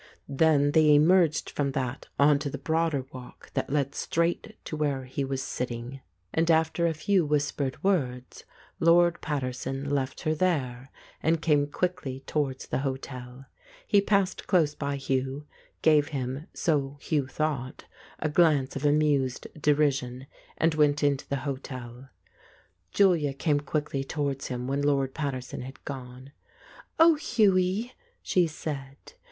Then they emerged from that on to the broader walk that led straight to where he was sitting, and after a few whis N 20I The Ape pered words, Lord Paterson left her there, and came quickly towards the hotel. He passed close by Hugh, gave him (so Hugh thought) a glance of amused deri sion, and went into the hotel. Julia came quickly towards him when Lord Pater son had gone, "Oh, Hughie," she said.